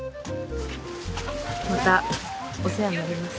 またお世話になります。